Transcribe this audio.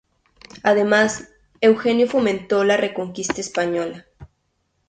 Además, Eugenio fomentó la Reconquista española.